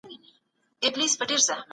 کلتور د هېواد پر سیاست باندې ښوونه کوي.